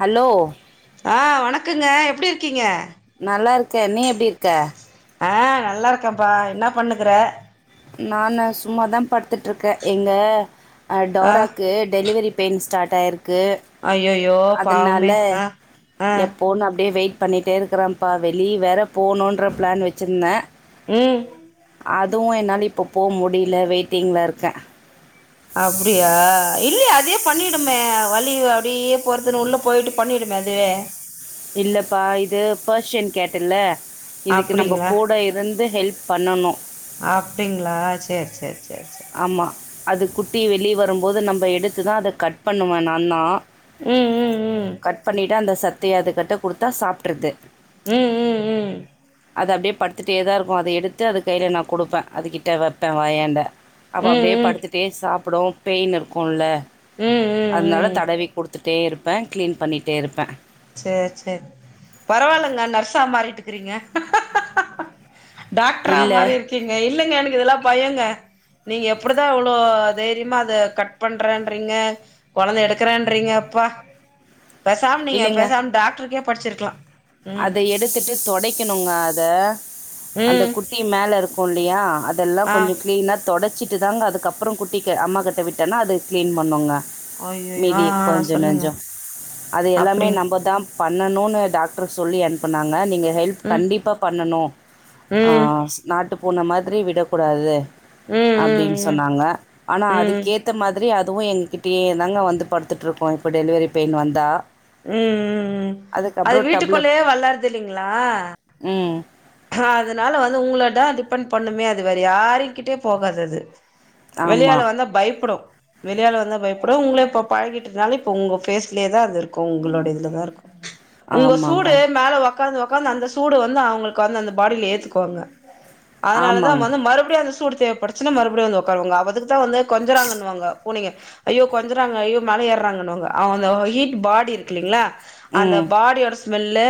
Hello ஆ வணக்கங்க எப்படி இருக்கீங்க நல்லா இருக்க நீ எப்படி இருக்க ஆ நல்லாயிருக்கேன்ப்பா என்ன பண்ணு இருக்குற நானு சும்மா தா படுத்துட்டுருக்கேன் எங்க ஆ டோராக்கு டெலிவரி பெயின் ஸ்டார்ட் ஆயிருக்கு ஐயையோ பாவமே அதனால ஆ ஆ எப்போன் அப்படியே வெயிட் பண்ணிகிட்டே இருக்கிறோன்ப்பா வெளிய வேற போணுன்ற பிளான் வச்சுருந்தே உம் அதுவும் என்னால இப்ப போக முடியல வெயிட்டிங்ல இருக்க அப்படியா இல்லைய அதே பண்ணிடுமே வலி அப்படியே போறதுன்னு உள்ள போயிட்டு பண்ணிடுமே அதுவே இல்ல பா இது பார்சன் கே ட் இல்ல இதுக்கு நம்ம அப்டிங்களா கூட இருந்து ஹெல்ப் பண்ணணு அப்படிங்களா சரி சரி சரி சரி ஆமா அது குட்டி வெளியே வரும்போது நம்ம எடுத்து தா அத கட் பண்ணுவே நா தா ம் ம் கட் பண்ணிட்டா அந்த சத்தையை அது கிட்ட கொடுத்தா சாப்பிடறது உம் உம் உம் அது அப்படியே படுத்துட்டே தா இருக்கு அத எடுத்து அது கையில் நா கொடுப்பே அதுக்கிட்ட வைப்பே வயாண்ட ம் அப்ப அப்படியே ம் படுத்துட்டே சாப்பிடும் பெயின் இருக்கும்ல ம் ம் அதுனால ம் ம் தடவி குடுத்துட்டே இருப்பே க்ளீன் பண்ணிட்டே இருப்பே சேர் சேர் பரவால்லங்க நர்சா மாறீட்டுக்குறீங்க டாக்ட்ரா இல்லை மாறி இருக்கீங்க இல்லங்க எனக்கு இதெல்லா பயோங்க நீங்க எப்டிதா இவ்வளோ தைரியமா அத கட் பண்றேன்றீங்க கொழந்த எடுக்குறேன்றீங்க அப்பா பேசாம் நீங்க இல்லைங்க பேசாம டாக்டருக்கே படிச்சிருக்லா அத எடுத்துட்டு தொடைக்கணுங்க அத அந்த ம் குட் டி மேல இருக்கு இல்லையா அதெல்லா ஆ கொஞ்சோ க்ளீனா தொடச்சிட் டு தாங்க அதுக்கப்றோ குட்டிக்கு அம்மாகிட்ட விட்டனா அது க்ளீன் பண்ணுங்க அய்யய்யோ ஆ மீதி ஆ கொஞ்ச சொல்லுங்க நஞ்சோ அது எல்லாமே அப்டிங்க நம்ப தாம் பண்ணணூனு டாக்ட்ரு சொல்லி அனுப்புனாங்க நீங்க ஹெல்ப் ம் கண்டிப்பா பண்ணணூ ஆ ம் நாட்டு பூன மாதிரி விடக்கூடாது ம் ம் அப்டின் ம் சொன்னாங்க ஆனா ம் ம் அதுக்கேத்த மாதிரி அதுவு எங்ககிட் டியே தாங்க வந்து படுத்துட்ருக்கு இப்ப டெலிவெரி பெயின் வந்தா ம் ம் ம் அது அதுக்கப்புறம் டப்ல வீட்டுக்குள்ளயே வளர்தில்லிங்களா ம் அதனால வந்து உங்களதா டிபெண்ட் பண்ணுமே அது வேற யாரை கிட்டயு போகாதது ஆமா. வெளியாளு வந்தா பயப்படு வெளியாளு வந்தா பயப்படு உங்ள இப்போ பழகிட்டனால இப்போ உங்கோ பேஸ்லயேதா அது இருக்கு உங்களோட இதுலதா இருக்கு உங்க ஆமாங்க. சூடு மேல ஒக்காந்து ஒக்காந்து அந்த சூடு வந்து அவங்களுக் வந்து அந்த பாடியில ஏத்துக்குவாங்க அதுனாலதா ஆமாங்க. வந்து மறுபடியு அந்த சூடு தேவப்படு சுனா மறுபடியு வந்து ஒக்காருவாங்க அவதுக்குதா வந்து கொஞ்சராங்கன்னுவாங்க பூனைய ஐயோ கொஞ்சறாங்க ஐயோ மேல ஏறுறாங்கன்னுவாங்க அவந்தோ ஹீட் பாடி இருக்குல்லீங்ளா அந்த ம். பாடியோட ஸ்மெல்லு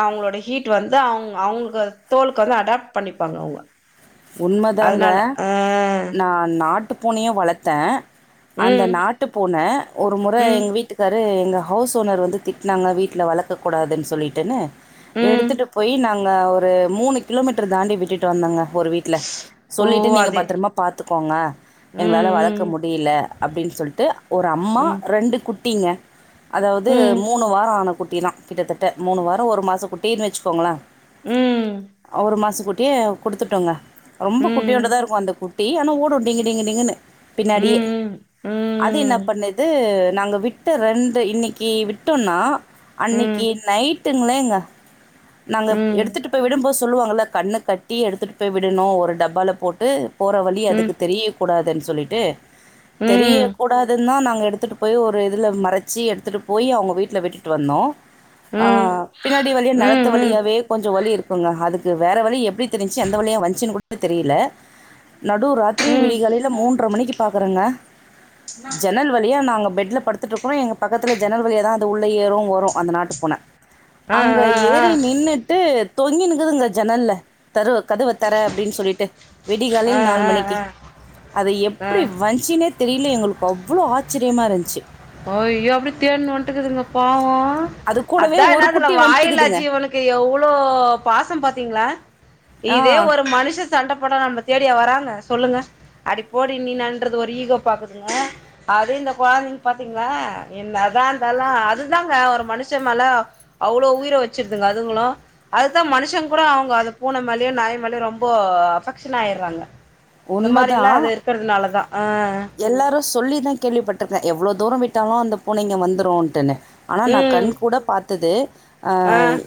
அவங்களோட ஹீட் வந்து அவங் அவங்க க தோலுக்கு வந்து அடாப்ட் பண்ணிப்பாங்க அவங்க உண்மதாங்க அதனால ஆ நா நாட் டு பூனையு வளத்தே அந்த ம் நாட்டு பூன ஒரு முற ம் எங்க வீட்டுக் காரு எங்க ஹவுஸ் ஓனர் வந்து திட்னாங்க வீட்டில வளக்கக்கூடாதுன் சொல்லிட்டுனு ம் எடுத்துட்டு போயி நாங்க ஒரு மூணு கிலோமீட்டர் தாண்டி விட்டுட்டு வந்தங்க ஒரு வீட் ல ஓ சொல்லிட்டு நீங்க அது பத்ரமா பாத்துக்கோங்க எங்களால ம் வளக்க முடியல அப்டின் சொல்ட்டு ஒரு அம்மா ம் ம் ரெண்டு குட்டிங்க அதாவது மூணு வாரோ ஆன குட்டிதா கிட்டத்தட்ட மூணு வாரோ ஒரு மாசக் குட்டீன் வச்சிக்கோங்களே ம் அ ஒரு மாச குட்டிய குடுத்துட்டோங்க ரொம்ப ம் ம் குட்டியோன்டுதா இருக்கு அந்த குட்டி ஆனா ஓடு டிங்கு ம் டிங்கு டிங்குன்னு பின்னாடியே ம் அது என்னாப் ம் பண்ணுது நாங்க விட்ட ரெண்டு இன்னைக்கி விட்டொன்னா அன்னைக்கி நைட்டுங்ளேங்க நாங்க ம் ம் எடுத்துட்டு போய் விடும்போது சொல்லுவாங்கள கண்ண கட்டி எடுத்துட்டு போய் விடணு ஒரு டப்பால போட்டு போற வழி ம் அதுக்கு தெரியக் கூடாதுன் சொல்லிட்டு ம் தெரியக்கூடாதுன்தா நாங்க எடுத்துட்டு போய் ஒரு இதுல மறச்சி எடுத்துட்டு போய் அவங்க வீட்ல விட்டுட்டு வந்தோ ஆ ம் பின்னாடி வழியா ம் நெலத்து ம் வழியாவே கொஞ்சோ வழி இருக் குங்க அதுக்கு வேற வழி எப்டி தெரிஞ்ச்சி எந்த வழியா வந்ச்சினு கூட தெரியலே நடு ராத்திரி ம் விடிகாலைல மூன்ற மணிக்கு பாக்குறங்க ஜென்னல் வழியா நாங்க பெட்ல படுத்துட்ருக்கோ எங்க பக்கத்துல ஜென்னல் வழியாதா அது உள்ள ஏறு வரு அந்த நாட்டுப் பூன ஆ ஆ அங்க ஏறி நின்னுட்டு தொங்கின்னுக்குதுங்க ஜன்னல்ல தருவ கதவ தெற அப்டின் சொல்லிட்டு விடிய ஆ காலில்ல நாலு ஆ மணிக்கு ஆ அது ஆ எப்டி ஆ வ ச்சுனே தெரில எங்களுக்கு அவ்ளோ ஆச்ரியமா இருச்சு அய்யோ அப்டி தேனு வன்ட்டுக்குதுங்க பாவு அது கூடவே அதா ஒரு என்னனு தெரில குட்டி வாயில்லாத வந்துட்டுக்குதுங்க. ஜீவனுக்கு எவ்ளோ பாசோ பாத்திங்ளா ஆ. இதே ஒரு மனுச சண்ட போடா நம்ல தேடியா வராங்க சொல்லுங்க அடிப்போடி நீ நன்றது ஒரு ஈகோ பாக்குதுங்க அது இந்த கொழந்தைங்க பாத்திங்ளா என்னதா இருந்தாலு அதுதாங்க ஒரு மனுஷ மேல அவ்ளோ உயிரை வச்சிருதுங்க அதுங்களு அதுதா மனுஷன் கூட அவுங்க அ பூனை மேலயு நாய் மேலயு ரொம்ப அஃபெக்ஷன் ஆய்ட்ராங்க இந்த மாரில்லா அது இருக்கிறதுனாலதா அ எல்லாரு சொல்லி தா கேள்விப்பட்டிருக்கே எவ்ளோ தூரோ‌ விட்டாலு அந்த பூனைங்க வந்துருட்டுன்னு ஆனா நா ம் கண் கூட பாத்தது ஆ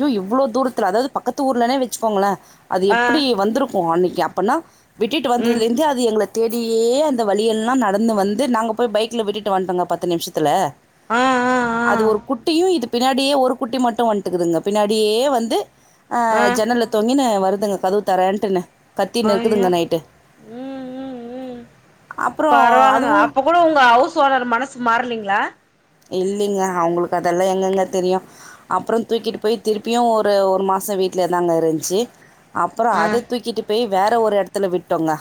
யோ இவ்ளோ தூரத்துல அதாது பக்கத்து ஊர்லனே வச்சுக்கோங்களே அது ஆ எப்டி வந்ரு அன்னைக்கு அப்பனா விட்டுட்டு ம் வந்ததுலேந்தே அது எங்ள தேடியே அந்த வழியெல்லா நடந்து வந்து நாங்க போய் பைக்ல விட்டுட்டு வன்டோங்க பத்து நிமிஷத்துல ஆ ஆ அது ஒரு குட்டியு இது பின்னாடியே ஒரு குட்டி மட்டு வன்ட்டுக்குதுங்க பின்னாடியே வந்து அ ஆ ஆ ஜன்னல்ல தொங்கினு வருதுங்க கதவு தெரேன்ட்டுன்னு ஐயோ ம் ம் ம் அப்புறம் பரவால்லங்க அதுவும் அப்ப கூட உங்க ஹவுஸ் ஓனர் மனசு மாறலிங்ளா இல்லிங்க அவுங்ளுக்கு அதெல்லா எங்கெங்க தெரியு அப்றோ தூக்கிட்டு போய் திருப்பியு ஒரு மாசோ வீட்லியே தாங்க இருந்துச்சு அப்றோ ஆ அத தூக்கிட்டு போய் வேற ஒரு எடத்துல விட்டோங்க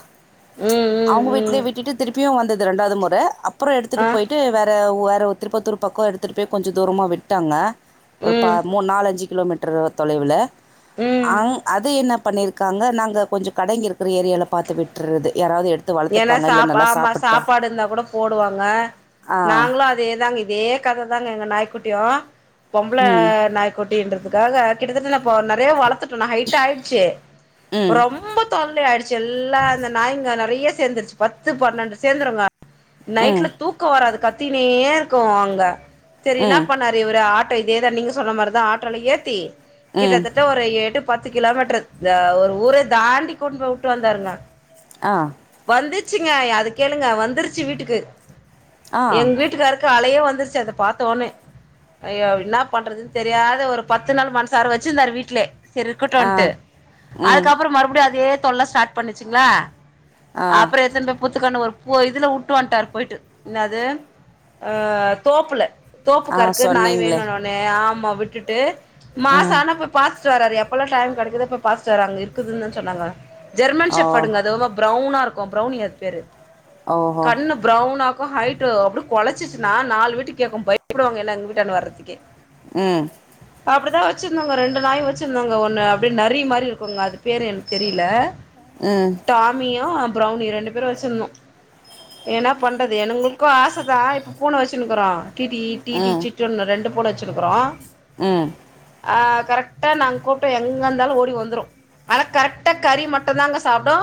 ம் ம் அவுங்க ம் வீட்லயே விட்டுட்டு திருப்பியு வந்துது ரெண்டாவது முற அப்றோ எடுத்துட்டு ஆ பொயிட்டு வேற வேற திருப்பத்தூர் பக்கோ எடுத்துட்டு போய் கொஞ்சோ தூரமா விட்டாங்க ஒரு பா ம் நாலஞ்சு கிலோமீட்டர் தொலைவில் ம் அங் அது என்ன பண்ணியிருக்காங்க நாங்க கொஞ்சோ கடைங்க இருக்குற ஏரியால பாத்து விட்டுறது யாராது எடுத்து ஏன்னா வளர்த்துப்பாங்க இல்ல சாப் நல்லா ஆமா சாப்பிட்டோ சாப்பாடு இருந்தா கூட போடுவாங்க ஆ நாங்ளு அது இதே தாங்க இதே கத தாங்க எங்க நாய்க்குட்டியு பொம்ள ம் நாய்குட்டி கொட்டின்றதுக்காக கிட்டத்தட்ட நறைய வளத்துட்டோ ஹைட் ஆயிடுச்சு ம் ரொம்ப தொல்லை ஆயிடுச்சு எல்லா அந்த நாய்ங்க நறைய சேந்துருச்சு பத்து பன்னெண்டு சேந்துருங்க நைட்ல ம் தூக்கோ வராது கத்தினே இருக்கு அங்க சரி என்ன ம் பண்ணாரு ஒரு ஆட்டோ இதேதா நீங்க சொன்ன மாதிரிதா ஆட்டோல ஏத்தி ம் கிட்டத்தட்ட ஒரு எட்டு பத்து கிலோமீட்டர் த ஒரு ஊர தாண்டி கொண்டு கூட்டு போய் விட்டு வந்தாருங்க ஆ வந்துச்சுங்க அது கேளுங்க வந்துருச்சு வீட்டுக்கு ஆ எங்க வீட்டுக்காரு கலையே வந்துருச்சு அத பாத்த ஒட்னே ஐயோ என்ன பண்றதுன் தெரியாம ஒரு பத்து நாள் மனுசார வச்சுருந்தாரு வீட்லே சரி ஆ இருக்கட்டுன்ட்டு ம் அதுக்கப்றோ மறுப்டியு அதே தொல்ல ஸ்டார்ட் பண்ணுச்சுங்ளா ஆ அப்றோ எட்துணு போய் புத்துக்கன்னு ஒரு பூ இதுல வுட்டு வன்ட்டாரு பொயிட்டு என்னது அ தோப்புல தோப்பு ஆ காருக்கு நாய் சொன்னீங்களே வேணுனு ஒட்னே ஆமா விட்டுட்டு மாசோ ம் ஆனா போய் பாத் துட்டு வராரு எப்ப எல்லா டைம் கெடைக்குதோ அப்ப போய் பாத்துட்டு வர்றாங்க அங்க இருக்குதுன்னு சொன்னாங்க ஜெர்மன் ஓ ஷப்டுங்க அது ப்ரௌவுனா இருக்கு ப்ரௌனி அது பேரு ஓஹோ கண்ணு ப்ரௌன்னா ஆக்கு ஹைட்டு அப்டி கொலைச்சிச்சுன்னா நாலுவீட்டுக்கு கேக்கு பயப்புடுவாங்க எல்லா எங்க வீட்டான்ட வரதுக்கே ம் அப்டிதா வெச்சிருந்தோங்க ரெண்டு நாயு வெச்சிருந்தோங்க ஒன்னு அப்டியே நரி மாரி இருக்கங்க அது பேரு எனக் தெரியில ம் டாமியு ப்ரௌனியு ரெண்டு பேரு வெச்சிருந்தோ எனா பண்ணுறது எங்களுக்கு ஆசதா இப்போ பூன வெச்சுன்னுக்குறோ டிடி டிடி சிட்டுனு ரெண்டு பூன வெச்சிருக்குறோ அ ஆ கரெக்டா நாங்க கூப்ட்டா எங்க இருந்தாலு ஓடி வந்துரு ஆனா கரெக்டா கறி மட்டும்தாங்க சாப்டு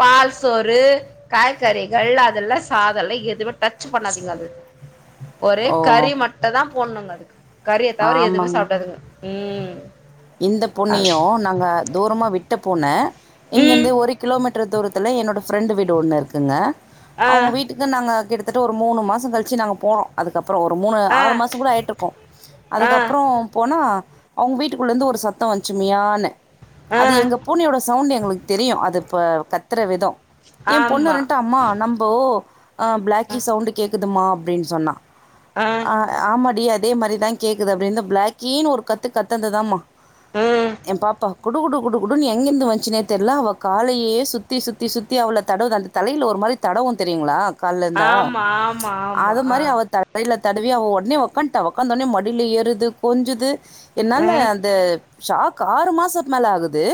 பால்ஸ் சோறு காய்கறிகள் அதெல்லா சாதோலா எதுமே டச் பண்ணாதீங்க அது ஒரே ஓ கறி மட்டுதா போட்னுங்க அதுக்கு கறிய தவர எதுமே ஆமாங்க சாப்ட்டாதுங்க ம் இந்த பொண்ணையு அது நாங்க தூரமா விட்ட போன ம் இங்கிருந்து ஒரு கிலோமீட்டர் தூரத்துல என்னோட ஃப்ரெண்ட் வீடு ஒன்னு இருக்குங்க ஆ அவுங்க வீட் வீட்டுக்கு நாங்ககிட்டத்தட்ட ஒரு மூணு மாசோ கழிச்சு நாங்க போனோ அதுக்கப்புறோ ஒரு மூணு ஆ ஆறு மாசோ கூட ஆய்ட்ருக்கு ஆ அதுக்கப்புறோ போனா அவுங்க வீட் டு குள்ளருந்து ஒரு சத்தோ வந்ச்சு மியானு ஆ அது எங்க பூனையோட சவுண்ட்டு எங்களுக்கு தெரியு அது இப்ப கத்துற விதோ எ பொண்ணு ஆமா இருன்ட்டு அம்மா நம் ஓ ஆ அ, ப்ளாக்கி சவுண்டு கேக்குதுமா அப்டின் சொன்ன ஆ ஆமாடி அதே மாரிதா கேக்குது அப்டின்னு ப்ளாக்கீனு ஒரு கத்து கத்தந்துதாமா ம் என் பாப்பா குடு குடு குடு குடுன்னு எங்கந்து வந்ச்சுனே தெர்ல அவ காலயே சுத்தி சுத்தி சுத்தி அவள தடவு அந்த தலைல ஒரு மாரி தடவோ தெரியுங்ளா கால்ல இருந்தா ஆமா ஆமா ஆமா அது ஆ மாரி அவ தட தலைல தடவி அவ உட்னே ஒக்காண்டா ஒக்காந்த உட்னே மடில ஏறுது கொஞ்சுது ஆ என்னால அந்த ஷாக் ஆறு மாசோ மேலே ஆகுது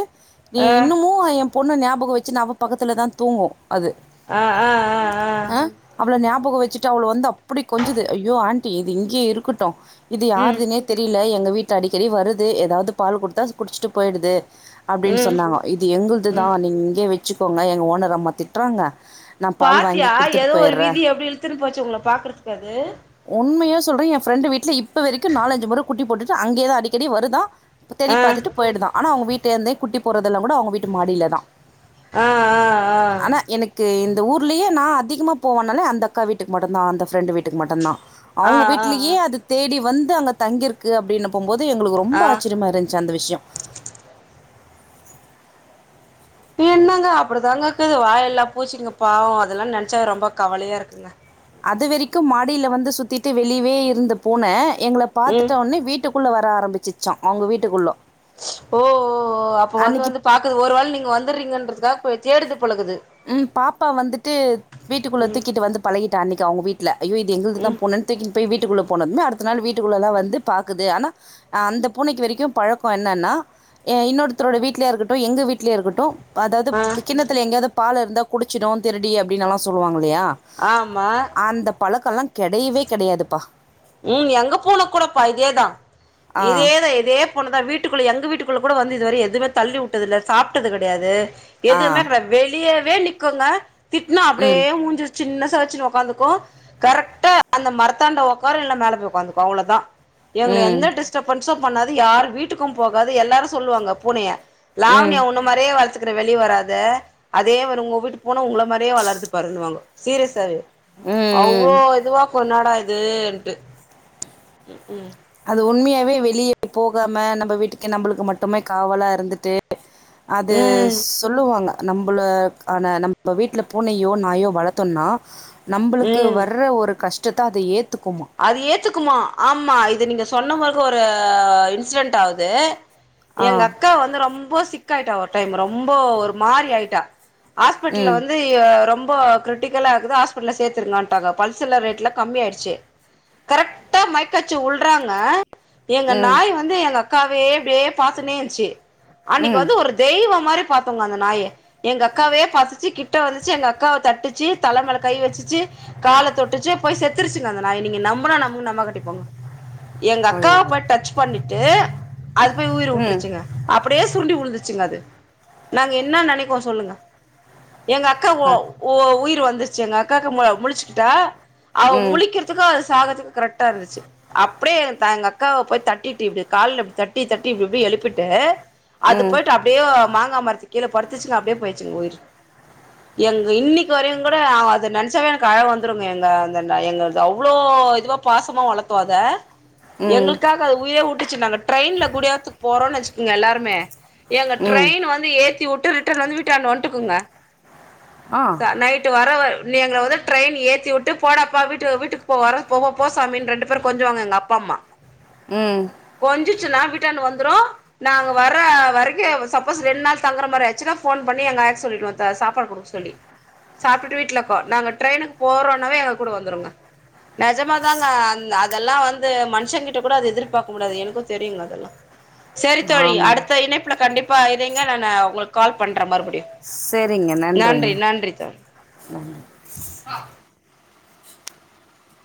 நீ ஆ இன்னுமு எ பொண்ணு ஞாபக வெச்சுனு அவ பக்கத்துலதா தூங்கு அது ஆ ஆ ஆ ஆ ஆ அவள ஞாபகோ வெச்சுட்டு அவ்ள வந்து அப்டி கொஞ்சுது ஐயோ ஆண்டி இது இங்கயே இருக்கட்டு இது ம் யாருதுனே தெரில எங்க வீட்டு அடிக்கடி வருது எதாவ்து பால் குடுத்தா குடிச்சுட்டு போய்டுது அப்டின் ம் சொன்னாங்கோ இது எங்குள்துதா ம் நீங் இங்கே வெச்சுக்கோங்க எங்க ஓனரம்மா திட்றாங்க நா பால் பாத்தியா வாங்கி குடுத்துட்டு எதோ ஒரு போயிட்றே விதி எப்டி இழுத்துன்னு போச்சு உங்கள பாக்குறதுக்கு அது உண்மையா சொல்றே எ ஃப்ரெண்டு வீட்ல இப்ப வரிக்கு நாலஞ்சு முற குட்டி போட்டுசா அங்கேதா அடிக்கடி வருதா தேடி ஆ பாத்துட்டு போய்டுதா ஆனா அவுங்க வீட்டந்தே குட்டி போறதல்லாகூட அவுங்க விட்டு மாடிலதா ஆ ஆ ஆனா எனக்கு இந்த ஊர்லயே நா அதிகமா போவனாலே அந்த அக்கா வீட்டுக்கு மட்டுதா அந்த ஃப்ரெண்டு வீட்டுக்கு மட்டுதா ஆ அவுங்க ஆ ஆ வீட்லயே அது தேடி வந்து அங்க தங்கிருக்கு அப்டின்னு போம்போது எங்களுக்கு ரொம்ப ஆ ஆ ஆச்சிரியமாக இருந்துச்ச அந்த விஷ்யோ தியுந்தாங்க அப்படி தங்க இக்குது வாயெல்லா பூச்சிங்க பாவோ அதெல்லா நனச்சாவே ரொம்ப கவலையா இருக்குங்க அது வரிக்கு மாடில வந்து சுத்திட்டு வெளியவே இருந்த பூன எங்கள ம் பாத்துட்ட உட்னே வீட்டுக் குள்ள வர ஆரம்பிச்சிச்சா அவுங்க வீட்டுக்குள்ள ஓ ஒ ஒ அப்ப வந்து அன்னைக்கு வந்து பாக்குது ஒரு வேல நீங்க வந்துற்றீங்கன்றதுக்காக போய் தேடுது போல இக்குது ம் பாப்பா வந்துட்டு வீட்டுக்குள்ள ம் தூக்கிட்டு வந்து பழகிட்டா அன்னிக்க அவுங்க வீட் ல ஐயோ இது எங்குள்துதா ம் பூனன் தூக்கின் போய் வீட்டுக்குள்ள போனதுமே அடுத்த நாள் வீட்டுக்குள்ளலா வந்து பாக்குது ஆனா அந்த பூனைக்கு வரிக்கு பழக்கோ என்னன்னா ஆ இன்னொருத்தரோட வீட்லயா இருக்கட்டு எங்க வீட்லயே இருக்கட்டு அதாது ஆ இப்ப கிண்ணத்துல எங்கயாது பால் இருந்தா குடிச்சுடு திருடி அப்டின்னுலா சொல்லுவாங்க இல்லையா ஆமா அந்த பழக்க எல்லா கெடையவே கெடையாதுப்பா ம் எங்க பூன கூடப்பா இதேதா ஆ, இதேதா இதேப் பூன தா வீட்டுக்குள்ள எங்க வீட்டுக்குள்ள கூட வந்து இதுவர எதுமே தள்ளி உட்டதில்ல சாப்பிட்டது கெடையாது ஆ, எதுவுமே கெடையாது வெளியவே நிக்குங்க திட்டுனா ம், அப்டியே மூஞ்சி சின்ன ச வச்சுனு ஒக்காந்துக்கு கரெட்டா அந்த மரத்தாண்ட ஒக் ஒக்காரு இல்ல மேல போயி ஒக்காந்துக்கு அவ்ளதா எங்கள எந்த ம், டிஸ் டப்பன்சு பண்ணாது யாரு வீட்டுக்கு போகாது எல்லாரு சொல்லுவாங்க பூனைய லாவண்யா ம், ஒன்ன மாரியே வளர்த்துக்குற வெளிய வராத அதே மாரி உங்க வீட்டு பூனை உங்கள மாரியே வளருது பாருனு வாங்க சீரியஸாவே ம் அவ்வளோ ம். இதுவா கொன்னாடா இதுன்ட்டு ம் ம் அது உண்மையாவே வெளிய போகாம நம்ம வீட்டுக்கு நம்மளுக்கு மட்டுமே காவலா இருந்துட்டு அது ம் சொல்லுவாங்க நம்பலகான நம்ப வீட்டுல பூனையோ நாயோ வளர்த்தோனா நம்பளுக்கு ம் வர்ற ஒரு கஷ்டத்த அது ஏத்துக்குமா அது ஏத்துக்குமா ஆமாம் இது நீங்க சொன்ன மொறுகு ஒரு இன்சிடென்ட் ஆகுது ஆ. எங்க அக்கா வந்து ரொம்ப சிக்காயிட்டா ஒரு டைம் ரொம்ப ஒரு மாறி ஆயிட்டா ஹாஸ்பிட்டல்ல ம். வந்து ரொம்ப கிரிட்டிக்கலா இருக்குது ஹாஸ்பிட்டல்ல சேத்திருங்கன்ட்டாங்க பல்சுலா ரேட்லா கம்மி ஆயிடுச்சு கரெக்ட்டா மைக்கய்ச்சு உல்றாங்க எங்க ம். நாய் வந் து எங்க அக்காவயே இப்டியே பாத்துனே இந்ச்சு அன்னைக்கி ம். வந்து ஒரு தெய்வம் மாரி பாத்தோங்க அந்த நாய எங்க அக்காவே பத்துச்சி கிட் ட வந்துச்சு எங்க அக்காவ தட்டுச்சு தலமேல கை வச்சுச்சு கால தொட்டுச்சு போய் செத்துருச்சுங்க அந்த நாய் நீங்க நம்புனா நம்புங்க நம்பா காட்டிப்போங்க எங்க அக்காவ ஐயோ! போய் டச் பண்ணிட்டு அது போய் உயிர ம். உட்டுருச்சுங்க அப்டியே சுருண்டு விழுந்துருச்சுங்க அது நாங்க என்ன நெனைக்கோ சொல்லுங்க எங்க அக்கா க ஓ ஓ உயிர் வந்துருச்சு எங்க அக்காக்கு மொ முழிச்சிகிட்டா அவ ம். முழிக்கிறதுக்கு அது சாகத்துக்கு கரெக்டா இருந்துச்சு அப்டியே எங்க தா எங்க அக்காவ போய் தட்டிட்டு இப்டி கால்ல இப்டி தட்டி தட்டி இப்டி இப்டி எழுப்பிட்டு அது ம். போயிட்டு அப்டியோ மாங்கா மரத்து கீழே படுத்துச்சிங்க அப்டியே போயிடுச்சுங்க உயிர் எங்க இன்னிக்கி வரையுங்கூட அது நெனைச்சவே எனக்கு அழ வந்துருங்க எங்க அந்த நாய் எங்க இது அவ்ளோ இதுவா பாசமா வளர்த்தோ அத ம். எங்களுக்காக அது உயிரே உட்டுச்சு நாங்க ட்ரெயின்ல குடியாறத்துக்கு போறோ வச்சுக்கோங்க எல்லாருமே எங்க ம். ட்ரெயின் வந் து ஏத்தி உட்டு ரிட்டன் வந்து வீட்டான்ட வன்ட்டுகுங்க ஆ. ச நைட் டு வரவ நீ எங்கள வந்து ட்ரெயின் ஏத்தி விட்டு போடாப்பா வீட்டு விட் டுக்கு போ வாரே போவோ போ சாமினு ரெண்டு பேரு கொஞ்சுவாங்க எங்க அப்பா அம்மா ம் கொஞ்சுச்சுனா வீட்டான்ட வந்துரு நாங்க வர வரைக்கு சப்போஸ் ரெண்டு நாள் தங்குற மாரி ஆச்சுன்னா ஃபோன் பண்ணி எங்க ஆயாட்ட சொல்லிடுவோ த சாப்பாடு குடுக்க சொல்லி சாப்ட்டுட்டு வீட்டுல இருக்கோ நாங்க ட்ரெயினனுக்கு போறோனாவே எங்க கூட வந்துருங்க நெஜமாாதாங்க அந்த் அதெல்லா வந்து மனுஷங்கிட்ட கூட அது எதிர்பார்க்க முடியாது எனக்கு தெரியுங்க அதெல்லா செரி தோழி ஆமாங்க. அடுத்த இணைப்புல கண்டிப்பா இருங்க நானு உங்களுக்கு கால் பண்ணுறே மறுபடியு செரிங்க நன்றுங்க ஆ